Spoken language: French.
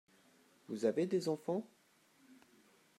Vous avez des enfants ?